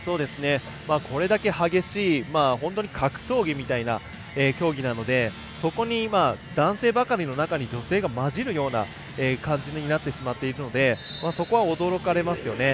これだけ激しい本当に格闘技みたいな競技なのでそこに男性ばかりの中に女性が交じるような感じになってしまっているのでそこは驚かれますよね。